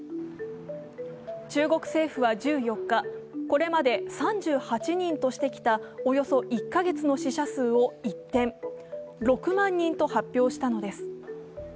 中国政府は１４日、これまで３８人としてきたおよそ１か月の死者数を一転、６万人と発表したのです。